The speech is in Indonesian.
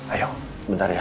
ayo sebentar ya